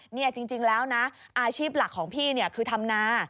นี่จริงแล้วนะอาชีพหลักของพี่เนี่ยคือทำนา